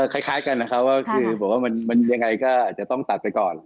ก็คล้ายกันนะคะว่าคือมันยังไงก็อาจจะต้องตัดไปก่อน